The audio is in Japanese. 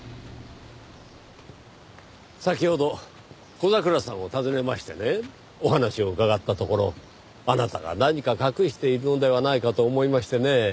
先ほど小桜さんを訪ねましてねお話を伺ったところあなたが何か隠しているのではないかと思いましてねぇ。